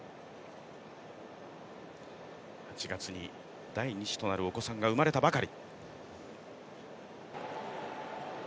８月に第２子となるお子さんが生まれたばかり。